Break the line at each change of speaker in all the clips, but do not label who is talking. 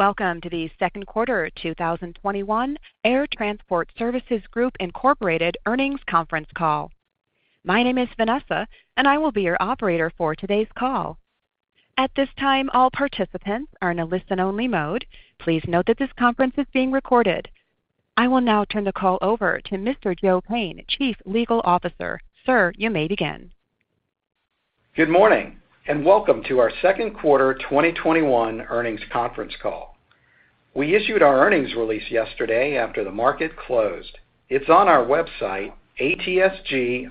Welcome to the second quarter 2021 Air Transport Services Group, Inc earnings conference call. My name is Vanessa, and I will be your operator for today's call. At this time, all participants are in a listen-only mode. Please note that this conference is being recorded. I will now turn the call over to Mr. Joe Payne, Chief Legal Officer. Sir, you may begin.
Good morning, and welcome to our second quarter 2021 earnings conference call. We issued our earnings release yesterday after the market closed. It's on our website, atsginc.com.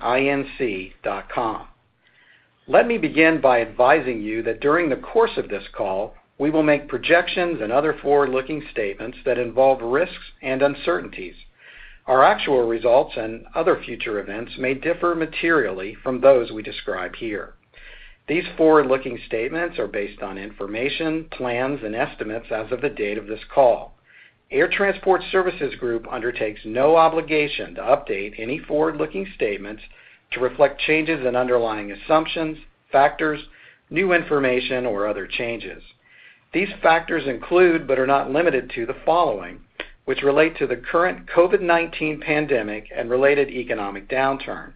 Let me begin by advising you that during the course of this call, we will make projections and other forward-looking statements that involve risks and uncertainties. Our actual results and other future events may differ materially from those we describe here. These forward-looking statements are based on information, plans, and estimates as of the date of this call. Air Transport Services Group undertakes no obligation to update any forward-looking statements to reflect changes in underlying assumptions, factors, new information, or other changes. These factors include, but are not limited to, the following, which relate to the current COVID-19 pandemic and related economic downturn.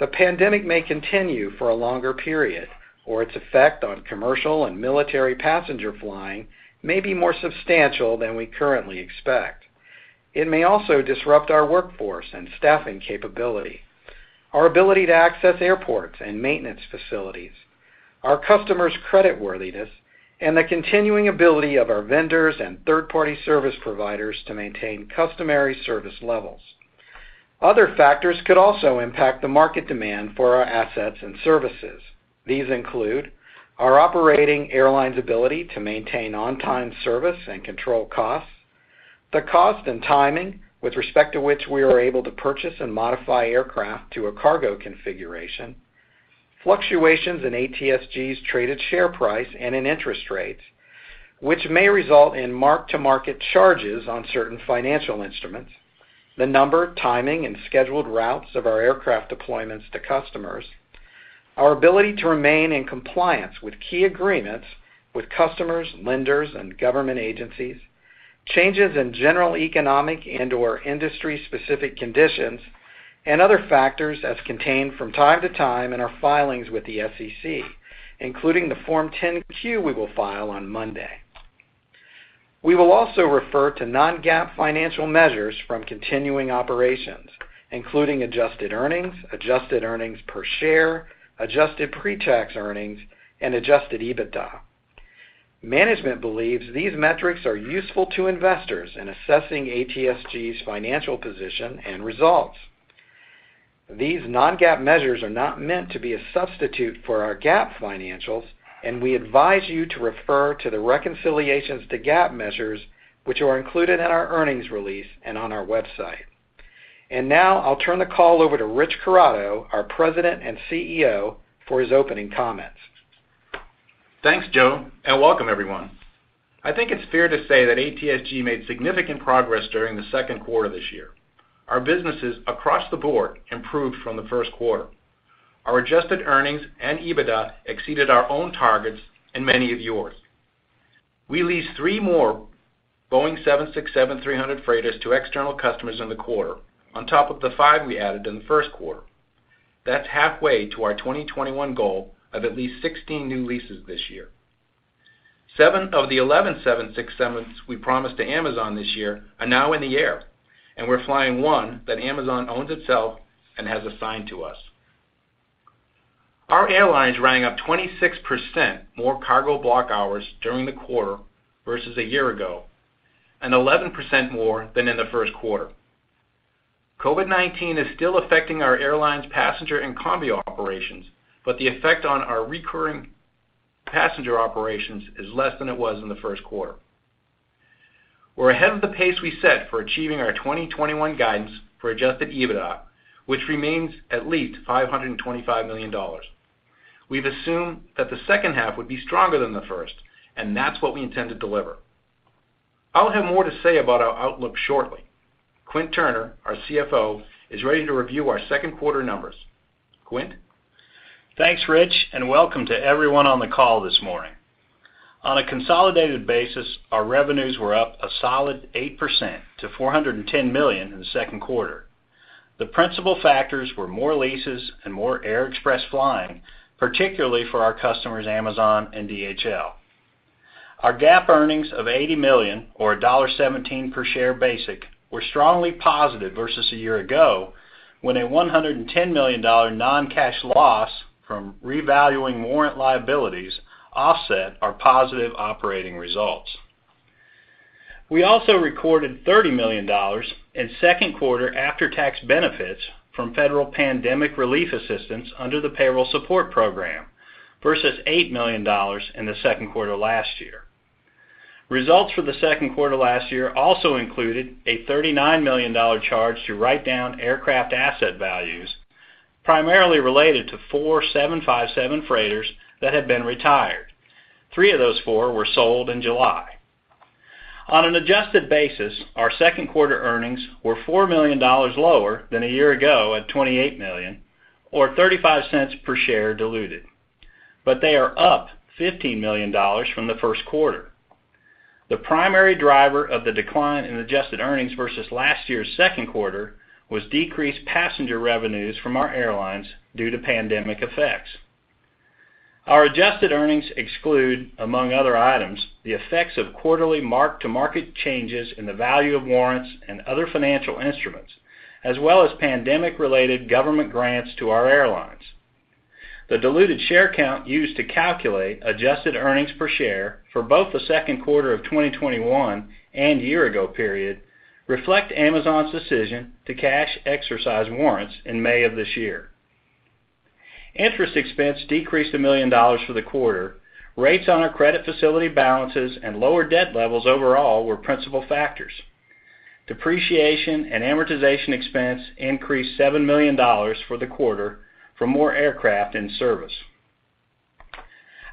The pandemic may continue for a longer period, or its effect on commercial and military passenger flying may be more substantial than we currently expect. It may also disrupt our workforce and staffing capability, our ability to access airports and maintenance facilities, our customers' creditworthiness, and the continuing ability of our vendors and third-party service providers to maintain customary service levels. Other factors could also impact the market demand for our assets and services. These include our operating airlines' ability to maintain on-time service and control costs, the cost and timing with respect to which we are able to purchase and modify aircraft to a cargo configuration, fluctuations in ATSG's traded share price and in interest rates, which may result in mark-to-market charges on certain financial instruments, the number, timing, and scheduled routes of our aircraft deployments to customers, our ability to remain in compliance with key agreements with customers, lenders, and government agencies, changes in general economic and/or industry-specific conditions, and other factors as contained from time to time in our filings with the SEC, including the Form 10-Q we will file on Monday. We will also refer to non-GAAP financial measures from continuing operations, including adjusted earnings, adjusted earnings per share, adjusted pre-tax earnings, and adjusted EBITDA. Management believes these metrics are useful to investors in assessing ATSG's financial position and results. These non-GAAP measures are not meant to be a substitute for our GAAP financials, and we advise you to refer to the reconciliations to GAAP measures which are included in our earnings release and on our website. Now I'll turn the call over to Rich Corrado, our President and CEO, for his opening comments.
Thanks, Joe, and welcome everyone. I think it's fair to say that ATSG made significant progress during the second quarter this year. Our businesses across the board improved from the first quarter. Our adjusted earnings and EBITDA exceeded our own targets and many of yours. We leased three more Boeing 767-300 freighters to external customers in the quarter on top of the five we added in the first quarter. That's halfway to our 2021 goal of at least 16 new leases this year. Seven of the 11 767s we promised to Amazon this year are now in the air, and we're flying one that Amazon owns itself and has assigned to us. Our airlines rang up 26% more cargo block hours during the quarter versus a year ago, and 11% more than in the first quarter. COVID-19 is still affecting our airlines passenger and Combi operations, but the effect on our recurring passenger operations is less than it was in the first quarter. We're ahead of the pace we set for achieving our 2021 guidance for adjusted EBITDA, which remains at least $525 million. We've assumed that the second half would be stronger than the first, and that's what we intend to deliver. I'll have more to say about our outlook shortly. Quint Turner, our CFO, is ready to review our second quarter numbers. Quint?
Thanks, Rich, and welcome to everyone on the call this morning. On a consolidated basis, our revenues were up a solid 8% to $410 million in the second quarter. The principal factors were more leases and more air express flying, particularly for our customers Amazon and DHL. Our GAAP earnings of $80 million or $1.17 per share basic were strongly positive versus a year ago when a $110 million non-cash loss from revaluing warrant liabilities offset our positive operating results. We also recorded $30 million in second quarter after-tax benefits from federal pandemic relief assistance under the Payroll Support Program versus $8 million in the second quarter last year. Results for the second quarter last year also included a $39 million charge to write down aircraft asset values, primarily related to four 757 freighters that had been retired. Three of those four were sold in July. On an adjusted basis, our second quarter earnings were $4 million lower than a year ago at $28 million or $0.35 per share diluted, but they are up $15 million from the first quarter. The primary driver of the decline in adjusted earnings versus last year's second quarter was decreased passenger revenues from our airlines due to pandemic effects. Our adjusted earnings exclude, among other items, the effects of quarterly mark-to-market changes in the value of warrants and other financial instruments, as well as pandemic-related government grants to our airlines. The diluted share count used to calculate adjusted earnings per share for both the second quarter of 2021 and year-ago period reflect Amazon's decision to cash exercise warrants in May of this year. Interest expense decreased $1 million for the quarter. Rates on our credit facility balances and lower debt levels overall were principal factors. Depreciation and amortization expense increased $7 million for the quarter for more aircraft in service.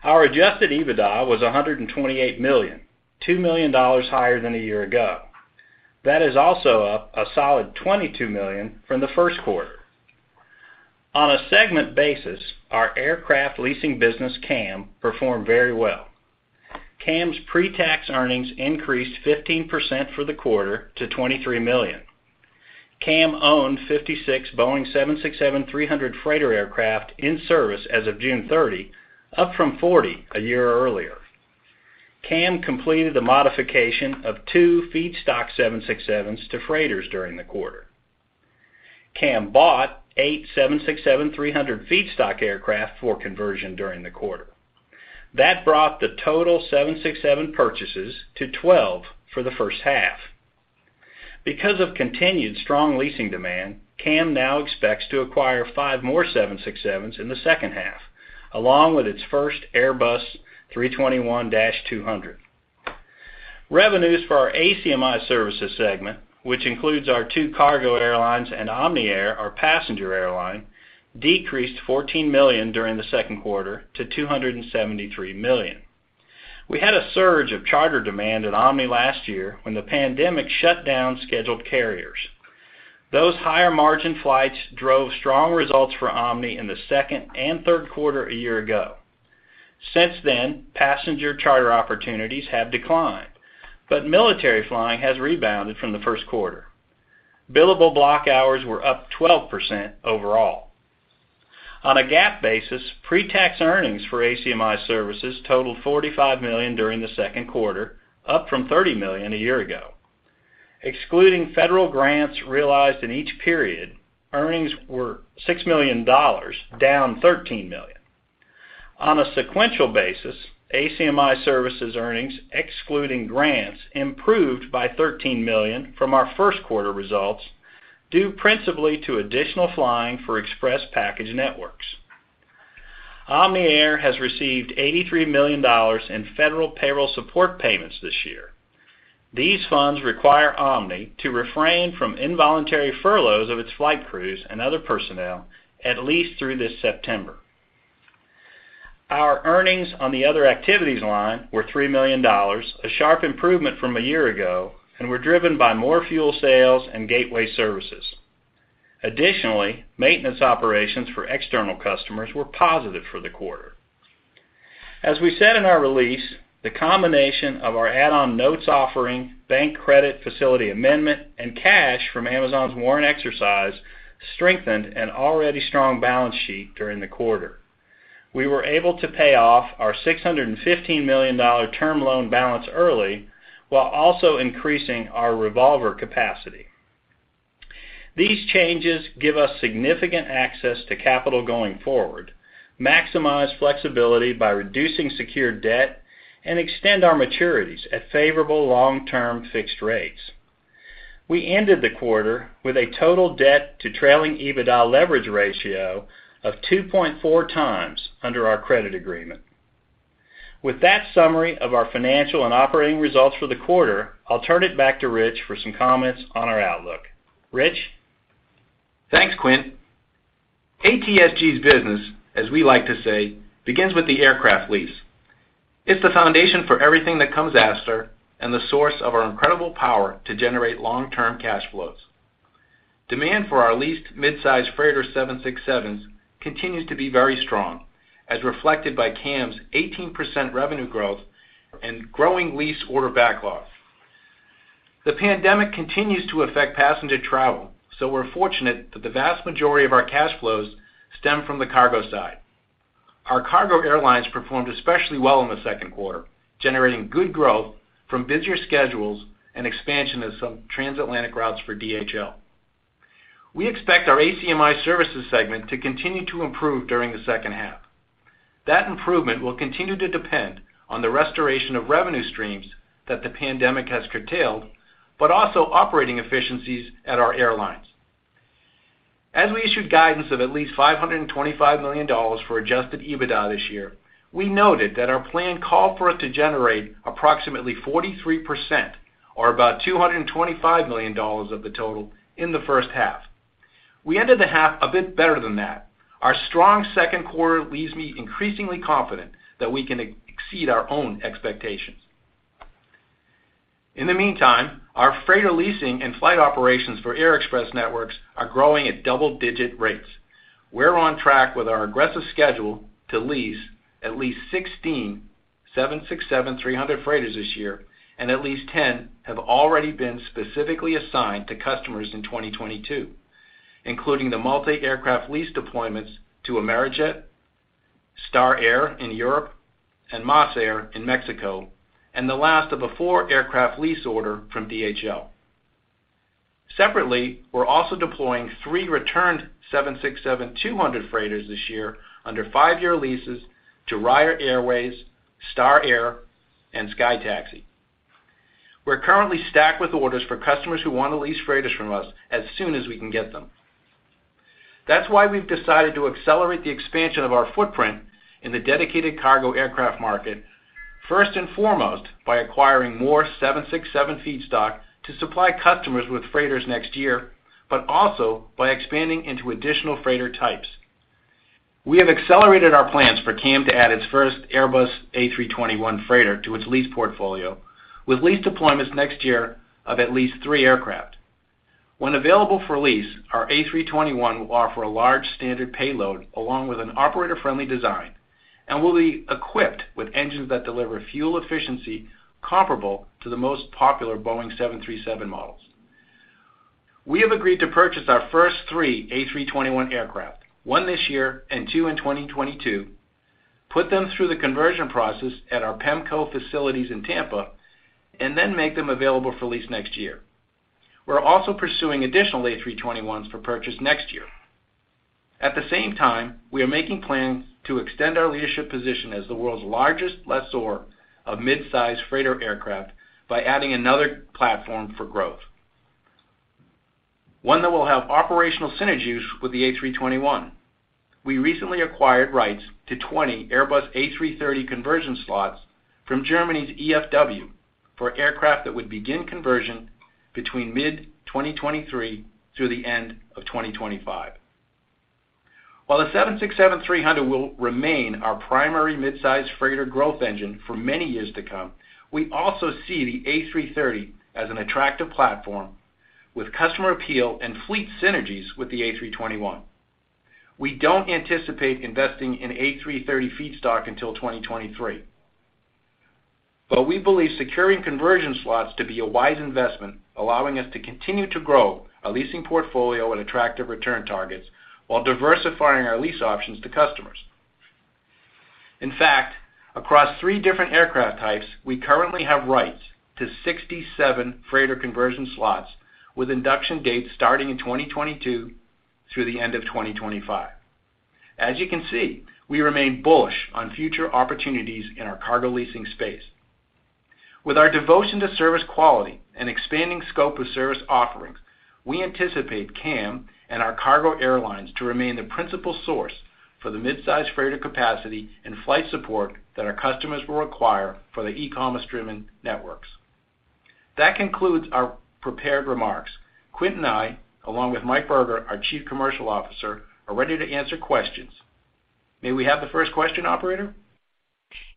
Our adjusted EBITDA was $128 million, $2 million higher than a year ago. That is also up a solid $22 million from the first quarter. On a segment basis, our aircraft leasing business, CAM, performed very well. CAM's pre-tax earnings increased 15% for the quarter to $23 million. CAM owned 56 Boeing 767-300 freighter aircraft in service as of June 30, up from 40 a year earlier. CAM completed the modification of two feedstock 767s to freighters during the quarter. CAM bought eight 767-300 feedstock aircraft for conversion during the quarter. That brought the total 767 purchases to 12 for the first half. Because of continued strong leasing demand, CAM now expects to acquire five more 767s in the second half, along with its first Airbus A321-200. Revenues for our ACMI Services segment, which includes our two cargo airlines and Omni Air, our passenger airline, decreased $14 million during the second quarter to $273 million. We had a surge of charter demand at Omni last year when the pandemic shut down scheduled carriers. Those higher margin flights drove strong results for Omni in the second and third quarter a year ago. Since then, passenger charter opportunities have declined, but military flying has rebounded from the first quarter. Billable block hours were up 12% overall. On a GAAP basis, pre-tax earnings for ACMI Services totaled $45 million during the second quarter, up from $30 million a year ago. Excluding federal grants realized in each period, earnings were $6 million, down $13 million. On a sequential basis, ACMI Services earnings excluding grants improved by $13 million from our first quarter results due principally to additional flying for express package networks. Omni Air has received $83 million in federal payroll support payments this year. These funds require Omni to refrain from involuntary furloughs of its flight crews and other personnel at least through this September. Our earnings on the other activities line were $3 million, a sharp improvement from a year ago, and were driven by more fuel sales and gateway services. Additionally, maintenance operations for external customers were positive for the quarter. As we said in our release, the combination of our add-on notes offering, bank credit, facility amendment, and cash from Amazon's warrant exercise strengthened an already strong balance sheet during the quarter. We were able to pay off our $615 million term loan balance early while also increasing our revolver capacity. These changes give us significant access to capital going forward, maximize flexibility by reducing secured debt, and extend our maturities at favorable long-term fixed rates. We ended the quarter with a total debt to trailing EBITDA leverage ratio of 2.4 times under our credit agreement. With that summary of our financial and operating results for the quarter, I'll turn it back to Rich for some comments on our outlook. Rich?
Thanks, Quint. ATSG's business, as we like to say, begins with the aircraft lease. It's the foundation for everything that comes after and the source of our incredible power to generate long-term cash flows. Demand for our leased midsize freighter 767s continues to be very strong, as reflected by CAM's 18% revenue growth and growing lease order backlog. The pandemic continues to affect passenger travel, so we're fortunate that the vast majority of our cash flows stem from the cargo side. Our cargo airlines performed especially well in the second quarter, generating good growth from busier schedules and expansion of some transatlantic routes for DHL. We expect our ACMI Services segment to continue to improve during the second half. That improvement will continue to depend on the restoration of revenue streams that the pandemic has curtailed, but also operating efficiencies at our airlines. As we issued guidance of at least $525 million for adjusted EBITDA this year, we noted that our plan called for us to generate approximately 43% or about $225 million of the total in the first half. We ended the half a bit better than that. Our strong second quarter leaves me increasingly confident that we can exceed our own expectations. In the meantime, our freighter leasing and flight operations for air express networks are growing at double-digit rates. We're on track with our aggressive schedule to lease at least 16 767-300 freighters this year, and at least 10 have already been specifically assigned to customers in 2022, including the multi-aircraft lease deployments to Amerijet, Star Air in Europe, and MasAir in Mexico, and the last of a four-aircraft lease order from DHL. Separately, we're also deploying three returned 767-200 freighters this year under five-year leases to Raya Airways, Star Air, and SkyTaxi. We're currently stacked with orders for customers who want to lease freighters from us as soon as we can get them. That's why we've decided to accelerate the expansion of our footprint in the dedicated cargo aircraft market, first and foremost, by acquiring more 767 feedstock to supply customers with freighters next year, but also by expanding into additional freighter types. We have accelerated our plans for CAM to add its first Airbus A321 freighter to its lease portfolio with lease deployments next year of at least three aircraft. When available for lease, our A321 will offer a large standard payload along with an operator-friendly design and will be equipped with engines that deliver fuel efficiency comparable to the most popular Boeing 737 models. We have agreed to purchase our first three A321 aircraft, one this year and two in 2022, put them through the conversion process at our Pemco facilities in Tampa, and then make them available for lease next year. We're also pursuing additional A321s for purchase next year. At the same time, we are making plans to extend our leadership position as the world's largest lessor of midsize freighter aircraft by adding another platform for growth, one that will have operational synergies with the A321. We recently acquired rights to 20 Airbus A330 conversion slots from Germany's EFW for aircraft that would begin conversion between mid-2023 through the end of 2025. While the 767-300 will remain our primary midsize freighter growth engine for many years to come, we also see the A330 as an attractive platform with customer appeal and fleet synergies with the A321. We don't anticipate investing in A330 feedstock until 2023. We believe securing conversion slots to be a wise investment, allowing us to continue to grow a leasing portfolio at attractive return targets while diversifying our lease options to customers. In fact, across three different aircraft types, we currently have rights to 67 freighter conversion slots with induction dates starting in 2022 through the end of 2025. As you can see, we remain bullish on future opportunities in our cargo leasing space. With our devotion to service quality and expanding scope of service offerings, we anticipate CAM and our cargo airlines to remain the principal source for the midsize freighter capacity and flight support that our customers will require for the e-commerce-driven networks. That concludes our prepared remarks. Quint and I, along with Mike Berger, our Chief Commercial Officer, are ready to answer questions. May we have the first question, operator?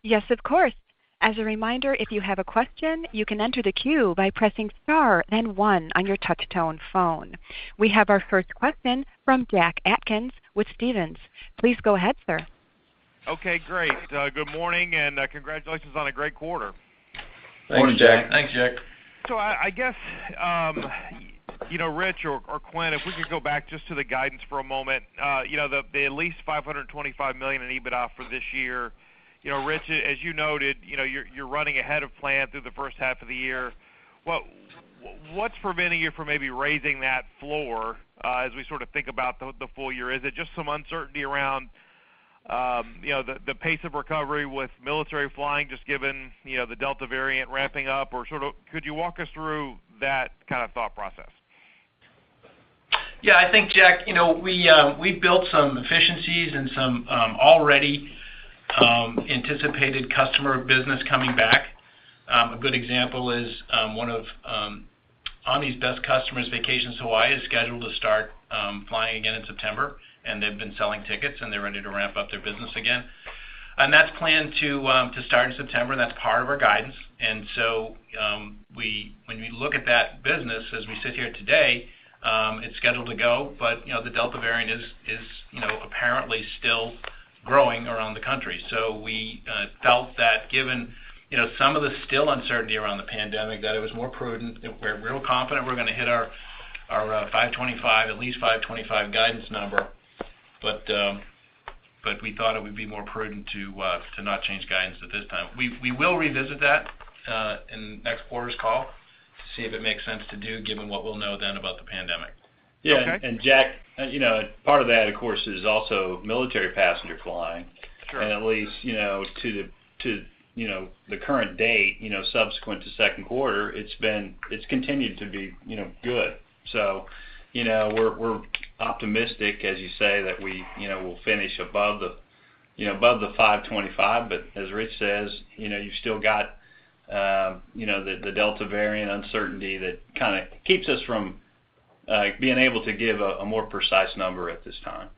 Yes, of course. As a reminder, if you have a question, you can enter the queue by pressing star then one on your touch-tone phone. We have our first question from Jack Atkins with Stephens. Please go ahead, sir.
Okay, great. Good morning, and congratulations on a great quarter.
Thanks, Jack.
Morning, Jack. Thanks, Jack.
I guess, you know, Rich or Quint, if we could go back just to the guidance for a moment. You know, the at least $525 million in EBITDA for this year. You know, Rich, as you noted, you know, you're running ahead of plan through the first half of the year. What's preventing you from maybe raising that floor, as we sort of think about the full year? Is it just some uncertainty around, you know, the pace of recovery with military flying, just given, you know, the Delta variant ramping up? Or sort of could you walk us through that kind of thought process?
Yeah, I think, Jack, you know, we built some efficiencies and some already anticipated customer business coming back. A good example is one of our best customers, Vacations Hawaii, is scheduled to start flying again in September, and they've been selling tickets, and they're ready to ramp up their business again. That's planned to start in September. That's part of our guidance. When we look at that business as we sit here today, it's scheduled to go, but you know, the Delta variant is you know, apparently still growing around the country. We felt that given you know, some of the still uncertainty around the pandemic, that it was more prudent. We're real confident we're gonna hit our $525 million, at least $525 million guidance number, but we thought it would be more prudent to not change guidance at this time. We will revisit that in next quarter's call to see if it makes sense to do, given what we'll know then about the pandemic.
Yeah.
Okay.
Jack, you know, part of that, of course, is also military passenger flying.
Sure.
At least, you know, to the current date, you know, subsequent to second quarter, it's continued to be, you know, good. You know, we're optimistic, as you say, that we, you know, will finish above the $525 million. As Rich says, you know, you still got, you know, the Delta variant uncertainty that kind of keeps us from being able to give a more precise number at this time.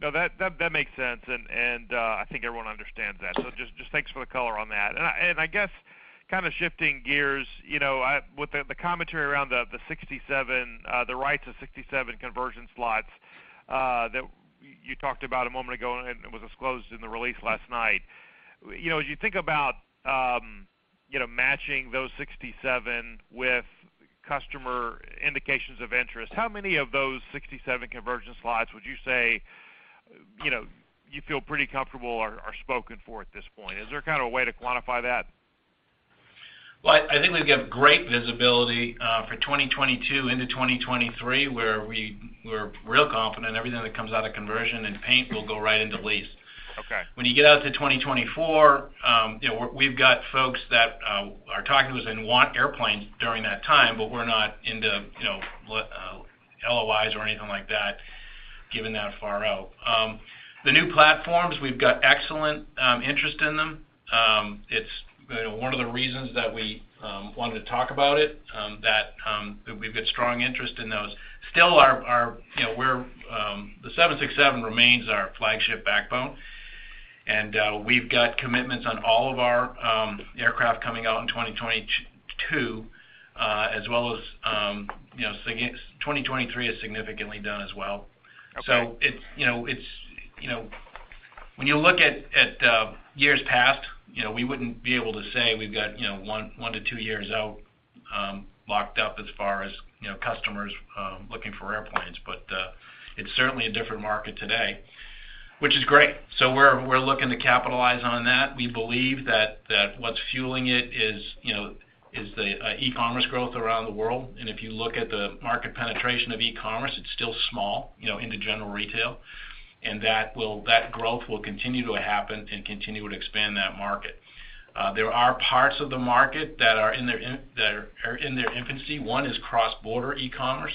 No, that makes sense, and I think everyone understands that. Just thanks for the color on that. I guess kind of shifting gears, you know, with the commentary around the 67 rights to 67 conversion slots that you talked about a moment ago and was disclosed in the release last night. You know, as you think about, you know, matching those 67 with customer indications of interest, how many of those 67 conversion slots would you say, you know, you feel pretty comfortable are spoken for at this point? Is there kind of a way to quantify that?
Well, I think we've got great visibility for 2022 into 2023, where we're real confident everything that comes out of conversion and paint will go right into lease.
Okay.
When you get out to 2024, you know, we've got folks that are talking to us and want airplanes during that time, but we're not into, you know, LOIs or anything like that given that far out. The new platforms, we've got excellent interest in them. It's, you know, one of the reasons that we wanted to talk about it, that we've got strong interest in those. Still, our you know, the 767 remains our flagship backbone. We've got commitments on all of our aircraft coming out in 2022, as well as you know, 2023 is significantly done as well. It's, you know, when you look at years past, you know, we wouldn't be able to say we've got, you know, one to two years out locked up as far as, you know, customers looking for airplanes. It's certainly a different market today, which is great. We're looking to capitalize on that. We believe that what's fueling it is, you know, the e-commerce growth around the world. If you look at the market penetration of e-commerce, it's still small, you know, into general retail. That growth will continue to happen and continue to expand that market. There are parts of the market that are in their infancy. One is cross-border e-commerce,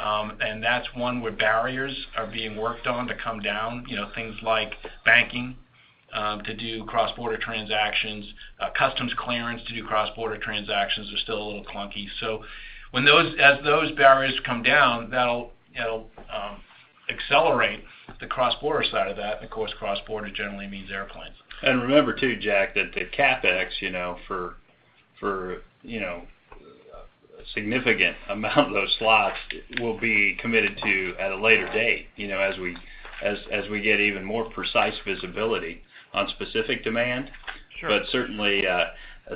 and that's one where barriers are being worked on to come down. You know, things like banking to do cross-border transactions, customs clearance to do cross-border transactions are still a little clunky. So as those barriers come down, that'll, you know, accelerate the cross-border side of that. Of course, cross-border generally means airplanes.
Remember too, Jack, that the CapEx, you know, for a significant amount of those slots will be committed to at a later date, you know, as we get even more precise visibility on specific demand.
Sure.
Certainly,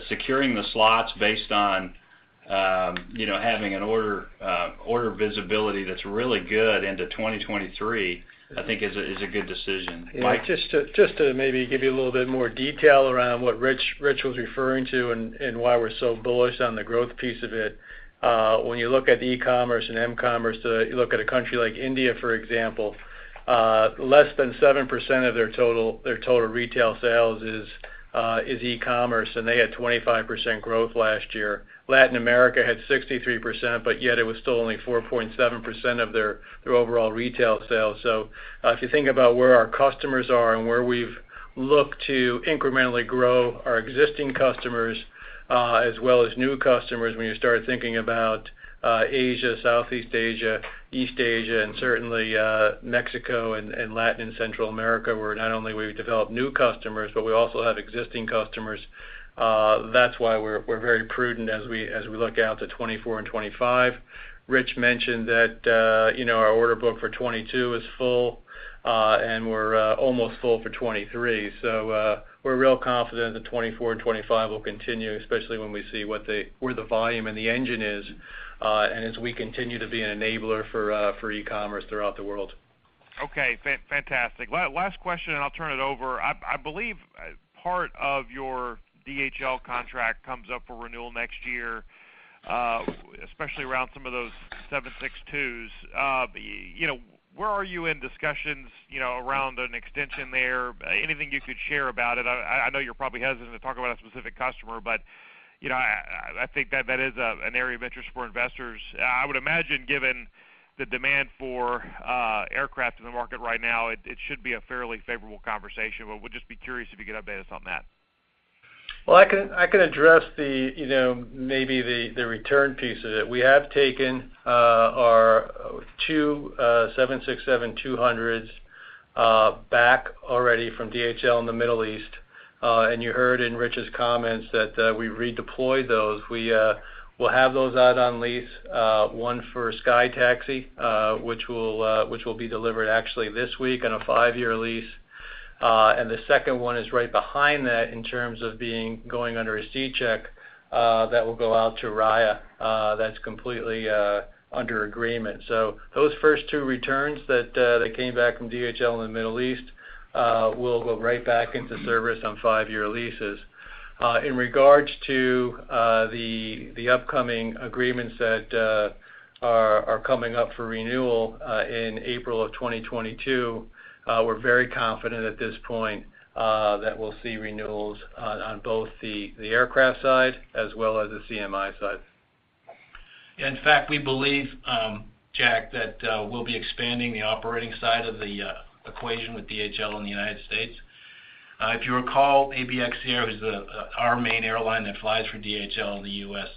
securing the slots based on, you know, having an order visibility that's really good into 2023, I think is a good decision.
Mike?
Yeah, just to maybe give you a little bit more detail around what Rich was referring to and why we're so bullish on the growth piece of it. When you look at the e-commerce and m-commerce too, you look at a country like India, for example, less than 7% of their total retail sales is e-commerce, and they had 25% growth last year. Latin America had 63%, but yet it was still only 4.7% of their overall retail sales. If you think about where our customers are and where we've looked to incrementally grow our existing customers, as well as new customers, when you start thinking about Asia, Southeast Asia, East Asia, and certainly Mexico and Latin and Central America, where not only we've developed new customers, but we also have existing customers, that's why we're very prudent as we look out to 2024 and 2025. Rich mentioned that, you know, our order book for 2022 is full, and we're almost full for 2023. We're real confident that 2024 and 2025 will continue, especially when we see what the, where the volume and the engine is, and as we continue to be an enabler for e-commerce throughout the world.
Okay. Fantastic. Last question, and I'll turn it over. I believe part of your DHL contract comes up for renewal next year, especially around some of those 767-200s. You know, where are you in discussions, you know, around an extension there? Anything you could share about it? I know you're probably hesitant to talk about a specific customer, but, you know, I think that is an area of interest for investors. I would imagine given the demand for aircraft in the market right now, it should be a fairly favorable conversation, but we'll just be curious if you could update us on that.
Well, I can address you know, maybe the return piece of it. We have taken our two 767-200s back already from DHL in the Middle East. You heard in Rich's comments that we redeployed those. We'll have those out on lease, one for SkyTaxi, which will be delivered actually this week on a five-year lease. The second one is right behind that in terms of going under a C check, that will go out to Raya, that's completely under agreement. Those first 2 returns that came back from DHL in the Middle East will go right back into service on 5-year leases. In regards to the upcoming agreements that are coming up for renewal in April 2022, we're very confident at this point that we'll see renewals on both the aircraft side as well as the CMI side.
In fact, we believe, Jack, that we'll be expanding the operating side of the equation with DHL in the United States. If you recall, ABX Air was our main airline that flies for DHL in the U.S.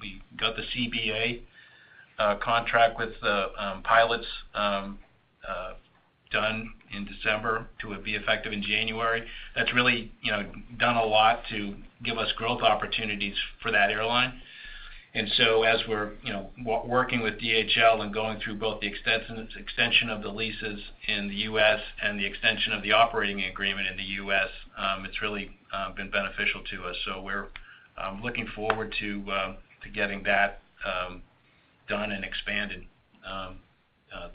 We got the CBA contract with the pilots done in December to be effective in January. That's really, you know, done a lot to give us growth opportunities for that airline. As we're, you know, working with DHL and going through both the extension of the leases in the U.S. and the extension of the operating agreement in the U.S., it's really been beneficial to us. We're looking forward to getting that done and expanded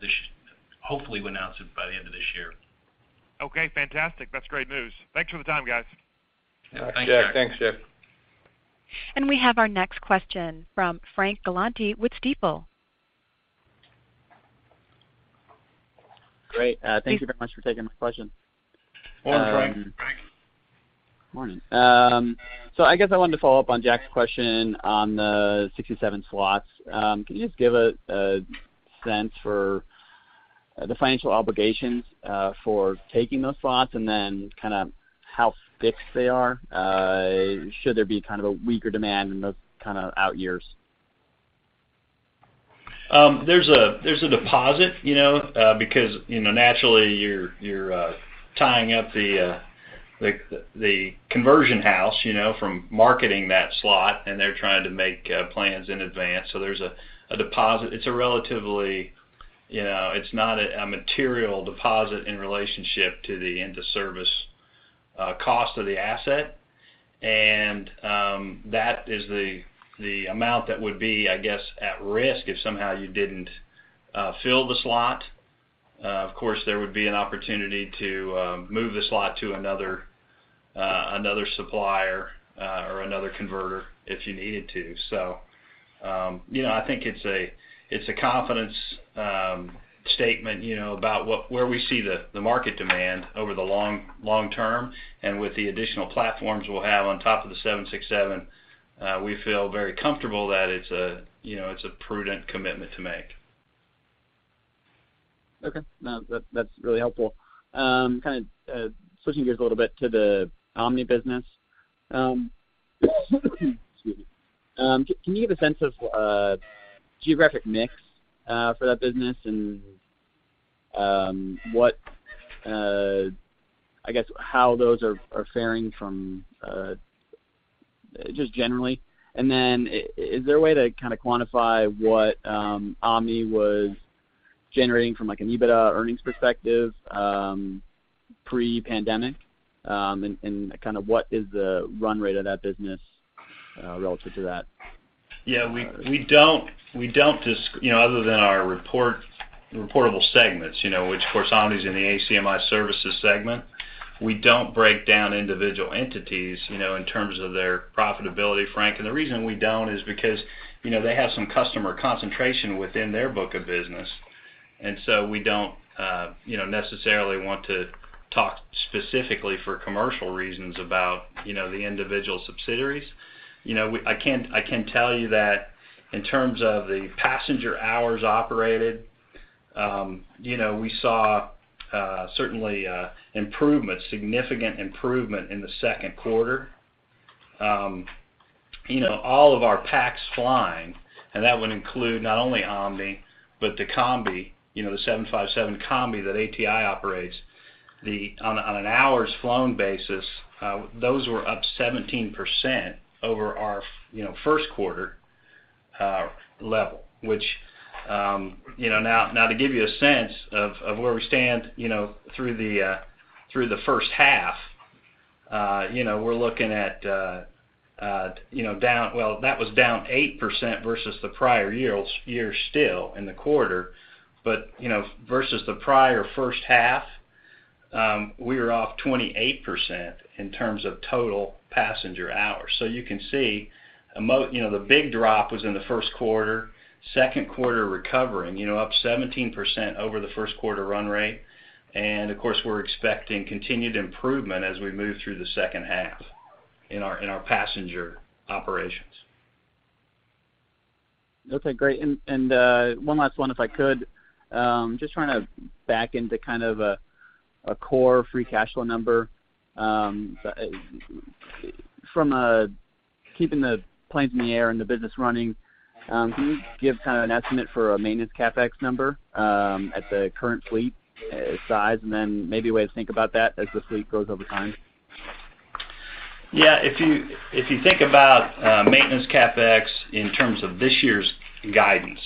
this year. Hopefully, we'll announce it by the end of this year.
Okay, fantastic. That's great news. Thanks for the time, guys.
Thank you.
Yeah. Thanks, Jack.
We have our next question from Frank Galanti with Stifel.
Great. Thank you very much for taking my question.
Morning, Frank.
Morning.
Morning. I guess I wanted to follow up on Jack's question on the 67 slots. Can you just give a sense for the financial obligations for taking those slots, and then kind of how fixed they are, should there be kind of a weaker demand in those kind of out years?
There's a deposit, you know, because, you know, naturally you're tying up the conversion house, you know, from marketing that slot, and they're trying to make plans in advance. There's a deposit. It's a relatively, you know, it's not a material deposit in relationship to the into service cost of the asset. That is the amount that would be, I guess, at risk if somehow you didn't fill the slot. Of course, there would be an opportunity to move the slot to another supplier or another converter if you needed to. I think it's a confidence statement, you know, about where we see the market demand over the long term. With the additional platforms we'll have on top of the 767, we feel very comfortable that it's a, you know, it's a prudent commitment to make.
Okay. No, that's really helpful. Kind of switching gears a little bit to the Omni business. Excuse me. Can you give a sense of geographic mix for that business and what I guess how those are faring generally? Is there a way to kind of quantify what Omni was generating from like an EBITDA earnings perspective pre-pandemic and kind of what is the run rate of that business relative to that?
Yeah. We don't disclose, you know, other than our reportable segments, you know, which of course, Omni's in the ACMI Services segment. We don't break down individual entities, you know, in terms of their profitability, Frank. The reason we don't is because, you know, they have some customer concentration within their book of business. We don't, you know, necessarily want to talk specifically for commercial reasons about, you know, the individual subsidiaries. You know, I can tell you that in terms of the passenger hours operated, you know, we saw certainly significant improvement in the second quarter. You know, all of our pax flying, and that would include not only Omni, but the Combi, you know, the 757 Combi that ATI operates. On an hours flown basis, those were up 17% over our, you know, first quarter level, which you know. Now to give you a sense of where we stand, you know, through the first half, you know, we're looking at down 8% versus the prior year, still in the quarter. You know, versus the prior first half, we were off 28% in terms of total passenger hours. You can see, you know, the big drop was in the first quarter. Second quarter, recovering, you know, up 17% over the first quarter run rate. Of course, we're expecting continued improvement as we move through the second half in our passenger operations.
Okay, great. One last one, if I could. Just trying to back into kind of a core free cash flow number from keeping the planes in the air and the business running. Can you give kind of an estimate for a maintenance CapEx number at the current fleet size, and then maybe a way to think about that as the fleet grows over time?
Yeah. If you think about maintenance CapEx in terms of this year's guidance,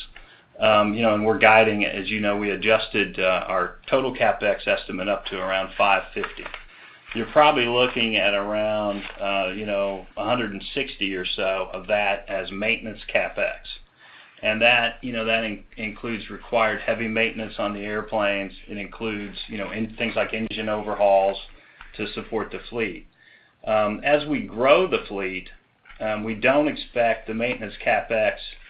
you know, we're guiding it. As you know, we adjusted our total CapEx estimate up to around $550 million. You're probably looking at around, you know, $160 million or so of that as maintenance CapEx. That, you know, includes required heavy maintenance on the airplanes. It includes, you know, things like engine overhauls to support the fleet. As we grow the fleet, we don't expect the maintenance CapEx to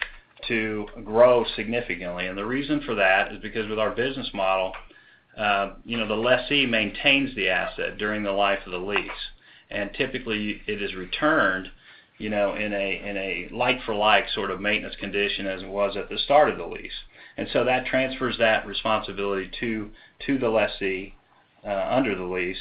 grow significantly. The reason for that is because with our business model, you know, the lessee maintains the asset during the life of the lease. Typically, it is returned, you know, in a like for like sort of maintenance condition as it was at the start of the lease. That transfers that responsibility to the lessee under the lease.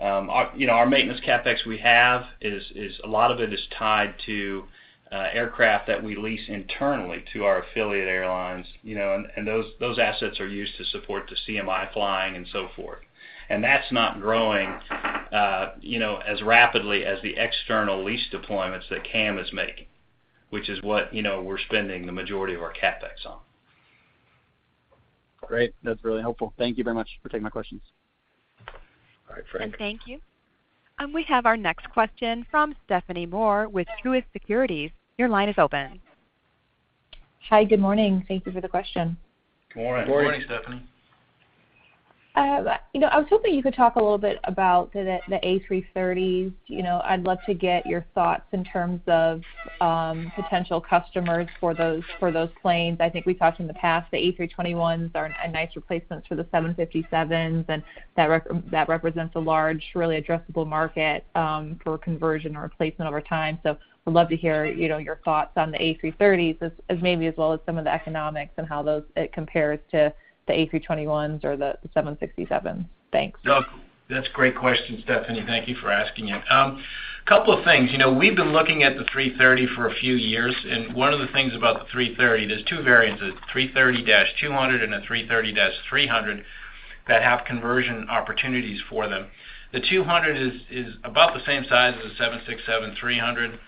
Our, you know, our maintenance CapEx we have is a lot of it tied to aircraft that we lease internally to our affiliate airlines, you know, and those assets are used to support the CMI flying and so forth. That's not growing, you know, as rapidly as the external lease deployments that CAM is making, which is what, you know, we're spending the majority of our CapEx on.
Great. That's really helpful. Thank you very much for taking my questions.
All right, Frank.
Thank you. We have our next question from Stephanie Moore with Truist Securities. Your line is open.
Hi. Good morning. Thank you for the question.
Good morning.
Good morning.
Good morning, Stephanie.
You know, I was hoping you could talk a little bit about the A330s. You know, I'd love to get your thoughts in terms of potential customers for those planes. I think we've talked in the past, the A321s are a nice replacements for the 757s, and that represents a large, really addressable market for conversion or replacement over time. Would love to hear, you know, your thoughts on the A330s as maybe as well as some of the economics and how it compares to the A321s or the 767s. Thanks.
That's a great question, Stephanie. Thank you for asking it. Couple of things. You know, we've been looking at the A330 for a few years, and one of the things about the A330, there's two variants, the A330-200 and an A330-300, that have conversion opportunities for them. The 200 is about the same size as a 767-300.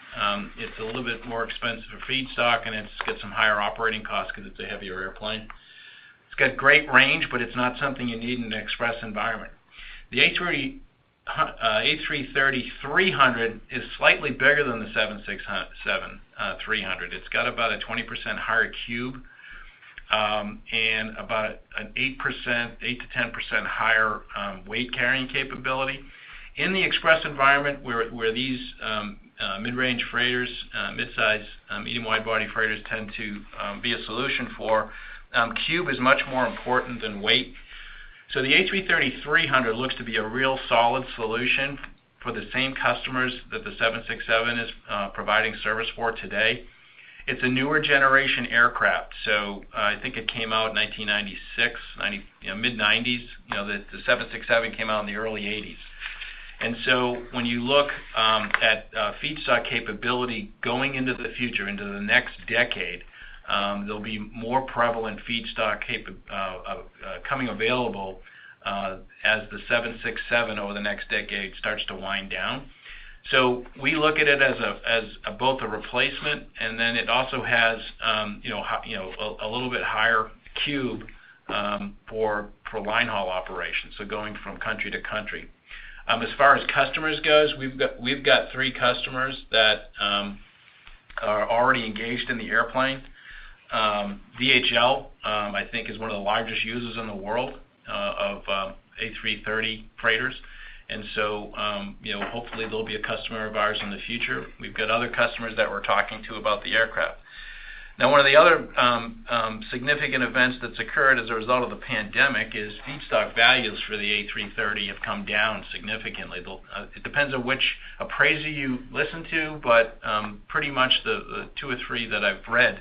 It's a little bit more expensive for feedstock, and it's got some higher operating costs because it's a heavier airplane. It's got great range, but it's not something you need in an express environment. The A330-300 is slightly bigger than the 767-300. It's got about a 20% higher cube, and about an 8%-10% higher weight carrying capability. In the express environment, where these mid-range freighters, mid-size medium wide-body freighters tend to be a solution for cube is much more important than weight. So the A330-300 looks to be a real solid solution for the same customers that the 767 is providing service for today. It's a newer generation aircraft, so I think it came out in 1996, you know, mid-1990s. You know, the 767 came out in the early 1980s. When you look at feedstock capability going into the future, into the next decade, there'll be more prevalent feedstock coming available, as the 767 over the next decade starts to wind down. We look at it as both a replacement, and then it also has you know a little bit higher cube for line haul operations, so going from country to country. As far as customers go, we've got three customers that are already engaged in the airplane. DHL I think is one of the largest users in the world of A330 freighters. Hopefully they'll be a customer of ours in the future. We've got other customers that we're talking to about the aircraft. Now, one of the other significant events that's occurred as a result of the pandemic is feedstock values for the A330 have come down significantly. It depends on which appraiser you listen to, but pretty much the two or three that I've read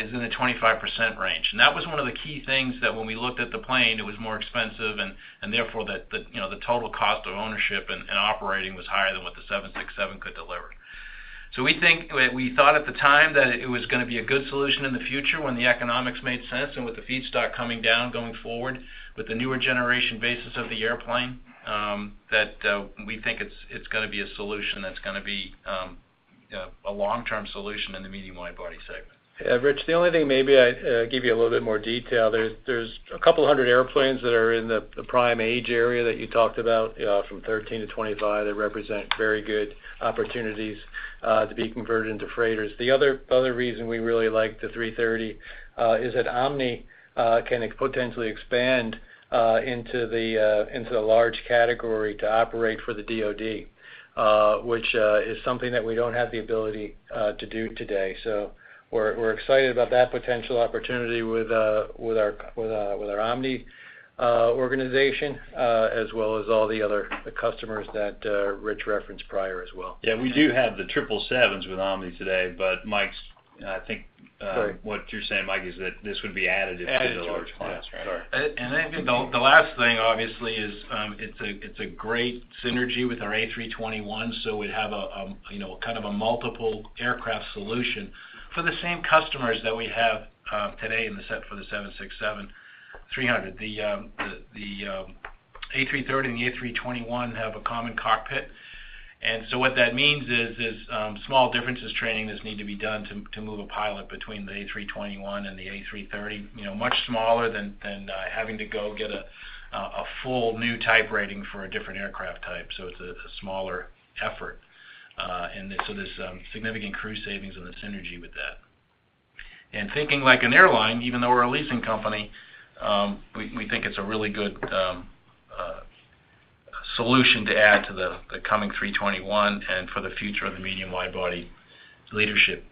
is in the 25% range. That was one of the key things that when we looked at the plane, it was more expensive and therefore the you know the total cost of ownership and operating was higher than what the 767 could deliver. We thought at the time that it was gonna be a good solution in the future when the economics made sense and with the feedstock coming down going forward, with the newer generation basis of the airplane, that we think it's gonna be a solution that's gonna be a long-term solution in the medium wide body segment.
Yeah, Rich, the only thing maybe I'd give you a little bit more detail. There's a couple hundred airplanes that are in the prime age area that you talked about, from 13-25, that represent very good opportunities to be converted into freighters. The other reason we really like the 330 is that Omni can potentially expand into the large category to operate for the DoD, which is something that we don't have the ability to do today. We're excited about that potential opportunity with our Omni organization, as well as all the other customers that Rich referenced prior as well.
Yeah, we do have the triple sevens with Omni today, but Mike's, I think,
Sorry.
What you're saying, Mike, is that this would be added to the large clients, right?
Added to it. Yeah, sorry.
The last thing obviously is, it's a great synergy with our A321, so we'd have a, you know, kind of a multiple aircraft solution for the same customers that we have today in the fleet for the 767-300. The A330 and the A321 have a common cockpit. What that means is small differences in training that need to be done to move a pilot between the A321 and the A330, you know, much smaller than having to go get a full new type rating for a different aircraft type. It's a smaller effort, and so there's some significant crew savings and the synergy with that. Thinking like an airline, even though we're a leasing company, we think it's a really good solution to add to the coming A321 and for the future of the medium widebody leadership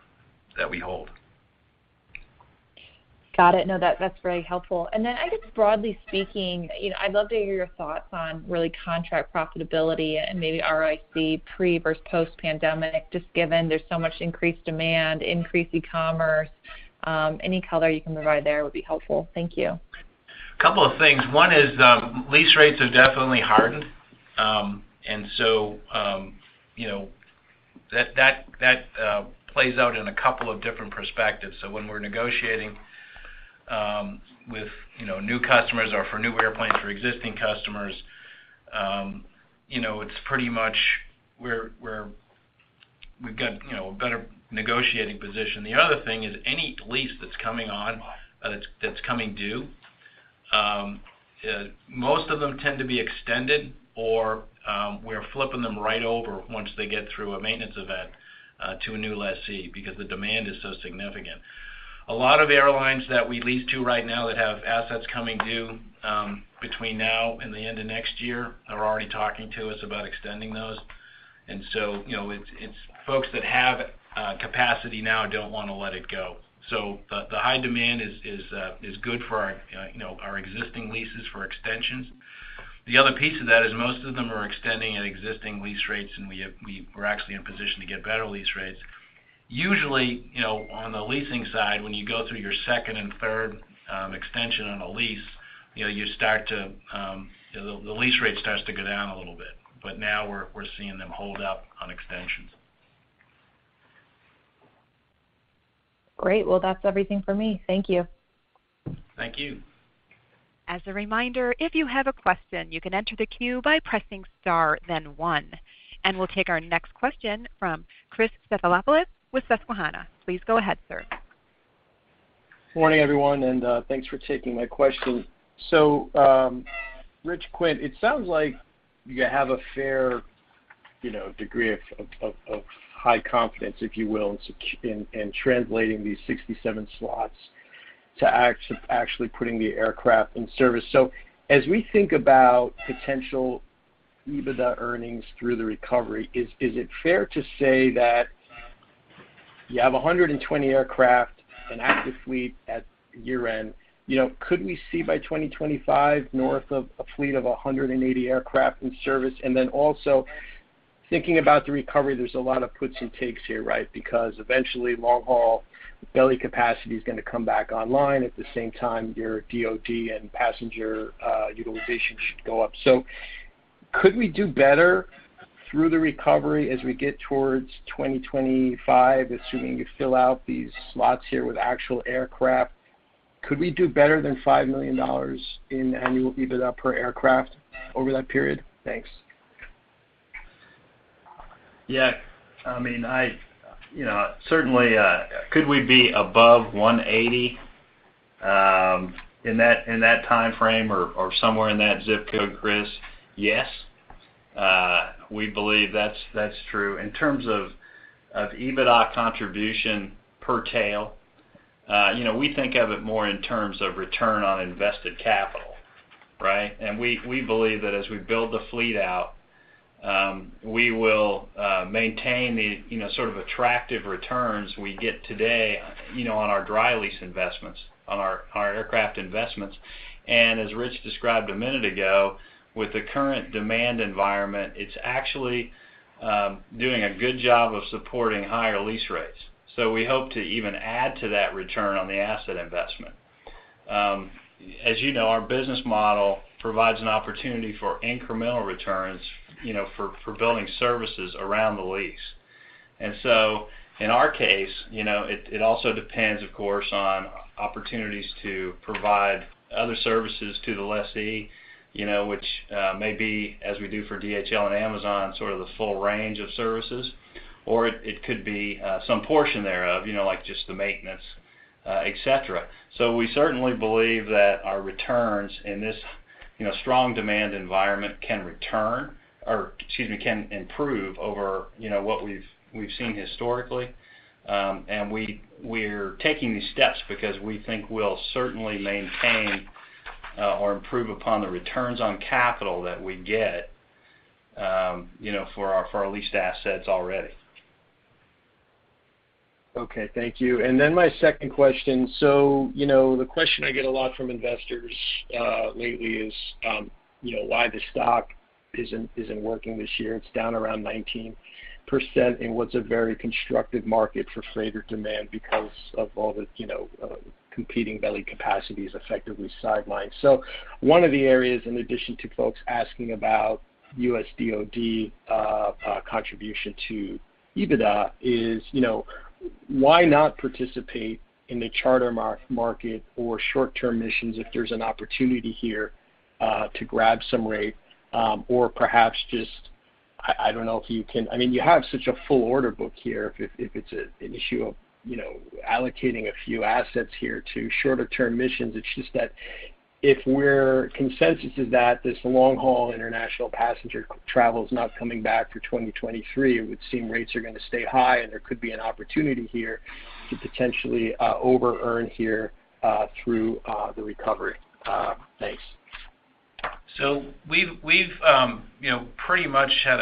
that we hold.
Got it. No, that's very helpful. I guess broadly speaking, you know, I'd love to hear your thoughts on really contract profitability and maybe ROIC pre versus post-pandemic, just given there's so much increased demand, increased e-commerce. Any color you can provide there would be helpful. Thank you.
A couple of things. One is, lease rates have definitely hardened. You know, that plays out in a couple of different perspectives. When we're negotiating with new customers or for new airplanes for existing customers, you know, it's pretty much we've got a better negotiating position. The other thing is any lease that's coming on, that's coming due, most of them tend to be extended or we're flipping them right over once they get through a maintenance event to a new lessee because the demand is so significant. A lot of airlines that we lease to right now that have assets coming due between now and the end of next year are already talking to us about extending those. You know, it's folks that have capacity now don't want to let it go. The high demand is good for our, you know, our existing leases for extensions. The other piece of that is most of them are extending at existing lease rates, and we're actually in a position to get better lease rates. Usually, you know, on the leasing side, when you go through your second and third extension on a lease, you know, you start to, you know, the lease rate starts to go down a little bit. Now we're seeing them hold up on extensions.
Great. Well, that's everything for me. Thank you.
Thank you.
As a reminder, if you have a question, you can enter the queue by pressing star then one. We'll take our next question from Chris Stathoulopoulos with Susquehanna. Please go ahead, sir.
Good morning, everyone, and thanks for taking my question. Rich, Quint, it sounds like you have a fair, you know, degree of high confidence, if you will, in translating these 67 slots to actually putting the aircraft in service. As we think about potential EBITDA earnings through the recovery, is it fair to say that you have 120 aircraft, an active fleet at year-end? You know, could we see by 2025 north of a fleet of 180 aircraft in service? Then also thinking about the recovery, there's a lot of puts and takes here, right? Because eventually long-haul belly capacity is going to come back online at the same time your DoD and passenger utilization should go up. Could we do better through the recovery as we get towards 2025, assuming you fill out these slots here with actual aircraft? Could we do better than $5 million in annual EBITDA per aircraft over that period? Thanks.
Yeah. I mean, you know, certainly, could we be above 180 in that time frame or somewhere in that zip code, Chris? Yes. We believe that's true. In terms of EBITDA contribution per tail, you know, we think of it more in terms of return on invested capital, right? We believe that as we build the fleet out, we will maintain the sort of attractive returns we get today, you know, on our dry lease investments, on our aircraft investments. As Rich described a minute ago, with the current demand environment, it's actually doing a good job of supporting higher lease rates. We hope to even add to that return on the asset investment. As you know, our business model provides an opportunity for incremental returns, you know, for building services around the lease. In our case, you know, it also depends, of course, on opportunities to provide other services to the lessee, you know, which may be as we do for DHL and Amazon, sort of the full range of services, or it could be some portion thereof, you know, like just the maintenance, et cetera. We certainly believe that our returns in this, you know, strong demand environment can improve over, you know, what we've seen historically. We're taking these steps because we think we'll certainly maintain or improve upon the returns on capital that we get, you know, for our leased assets already.
Okay. Thank you. My second question. You know, the question I get a lot from investors lately is, you know, why the stock isn't working this year. It's down around 19% in what's a very constructive market for freighter demand because of all the, you know, competing belly capacities effectively sidelined. One of the areas in addition to folks asking about U.S. DoD contribution to EBITDA is, you know, why not participate in the charter market or short-term missions if there's an opportunity here to grab some rate, or perhaps just, I don't know if you can. I mean, you have such a full order book here if it's an issue of, you know, allocating a few assets here to shorter-term missions. It's just that if the consensus is that this long-haul international passenger travel is not coming back for 2023, it would seem rates are gonna stay high, and there could be an opportunity here to potentially over earn here through the recovery. Thanks.
We've pretty much had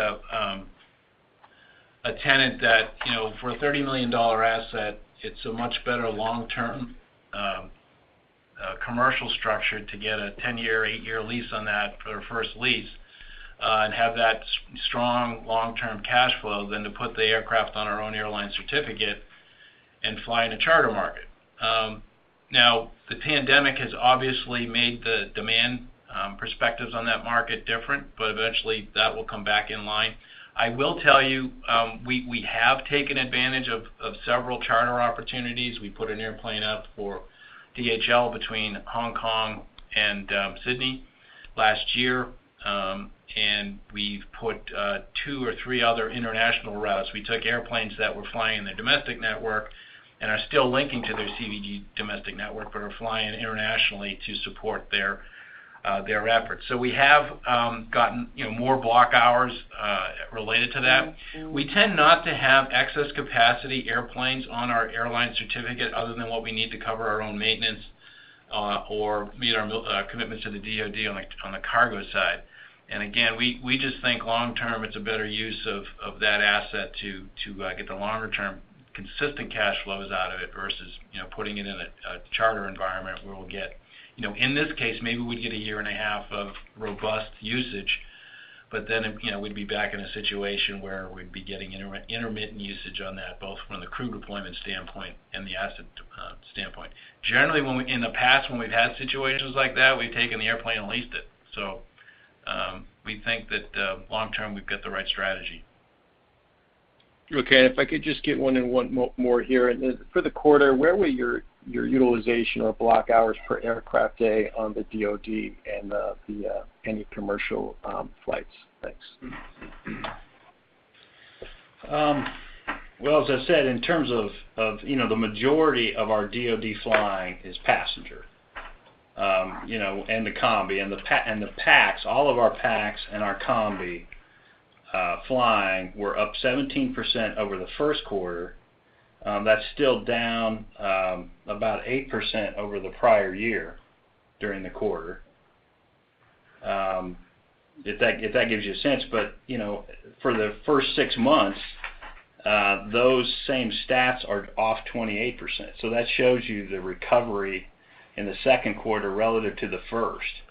a tenant that, you know, for a $30 million asset, it's a much better long-term commercial structure to get a 10-year, eight-year lease on that for the first lease and have that strong long-term cash flow than to put the aircraft on our own airline certificate and fly in a charter market. Now, the pandemic has obviously made the demand perspectives on that market different, but eventually that will come back in line. I will tell you, we have taken advantage of several charter opportunities. We put an airplane up for DHL between Hong Kong and Sydney last year. We've put two or three other international routes. We took airplanes that were flying in the domestic network and are still linking to their CVG domestic network, but are flying internationally to support their efforts. We have gotten, you know, more block hours related to that. We tend not to have excess capacity airplanes on our airline certificate other than what we need to cover our own maintenance or meet our commitments to the DoD on a cargo side. We just think long term, it's a better use of that asset to get the longer term consistent cash flows out of it versus, you know, putting it in a charter environment where we'll get You know, in this case, maybe we'd get a year and a half of robust usage, but then it, you know, we'd be back in a situation where we'd be getting intermittent usage on that, both from the crew deployment standpoint and the asset standpoint. Generally, in the past, when we've had situations like that, we've taken the airplane and leased it. We think that long term we've got the right strategy.
Okay. If I could just get one more here. Then for the quarter, where were your utilization or block hours per aircraft day on the DoD and the any commercial flights? Thanks.
Well, as I said, in terms of, you know, the majority of our DoD flying is passenger, and the Combi. The pax, all of our pax and our Combi flying were up 17% over the first quarter. That's still down about 8% over the prior year during the quarter, if that gives you a sense. For the first six months, those same stats are off 28%. That shows you the recovery in the second quarter relative to the first.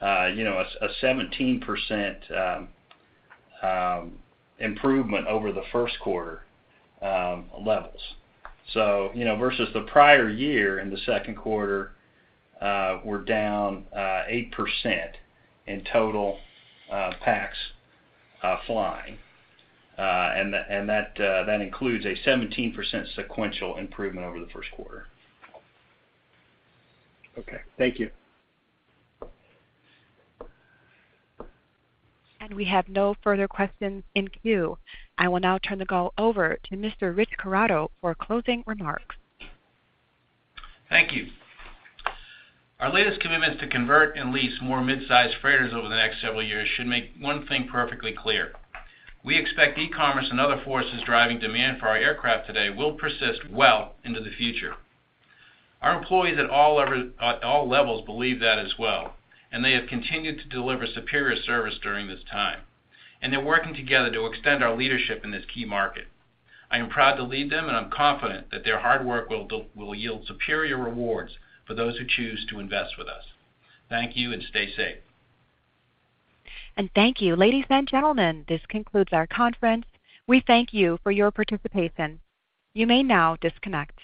A 17% improvement over the first quarter levels. Versus the prior year in the second quarter, we're down 8% in total pax flying. That includes a 17% sequential improvement over the first quarter.
Okay. Thank you.
We have no further questions in queue. I will now turn the call over to Mr. Rich Corrado for closing remarks.
Thank you. Our latest commitments to convert and lease more mid-sized freighters over the next several years should make one thing perfectly clear. We expect e-commerce and other forces driving demand for our aircraft today will persist well into the future. Our employees at all levels believe that as well, and they have continued to deliver superior service during this time, and they're working together to extend our leadership in this key market. I am proud to lead them, and I'm confident that their hard work will yield superior rewards for those who choose to invest with us. Thank you, and stay safe.
Thank you. Ladies and gentlemen, this concludes our conference. We thank you for your participation. You may now disconnect.